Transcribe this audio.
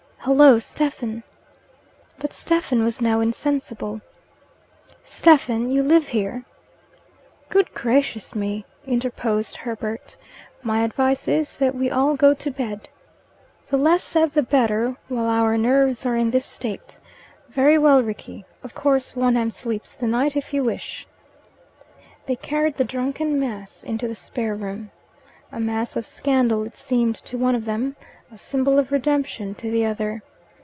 "Hullo, Stephen!" But Stephen was now insensible. "Stephen, you live here " "Good gracious me!" interposed Herbert. "My advice is, that we all go to bed. The less said the better while our nerves are in this state. Very well, Rickie. Of course, Wonham sleeps the night if you wish." They carried the drunken mass into the spare room. A mass of scandal it seemed to one of them, a symbol of redemption to the other.